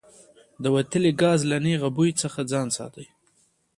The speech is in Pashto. د وتلي ګاز له نیغ بوی څخه ځان وساتئ.